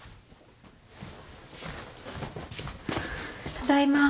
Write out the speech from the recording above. ただいま。